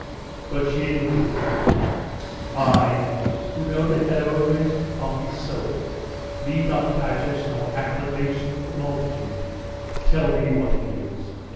But she inwardly thought, "I, who know the heroism of his soul, need not pageants nor acclamations of the multitude to tell me what he is.